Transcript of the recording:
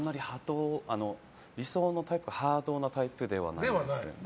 理想のタイプはハードなタイプじゃないです。